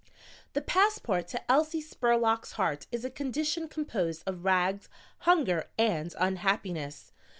"The passport to Elsie Spurlock's heart is a condition composed of rags, hunger and unhappiness.